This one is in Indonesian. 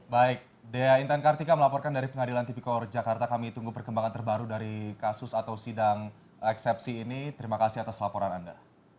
baik dea intan kartika melaporkan dari pengadilan tipikor jakarta kami tunggu perkembangan terbaru dari kasus atau sidang eksepsi ini terima kasih atas laporan anda